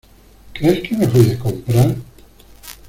¿ crees que me fui de compras?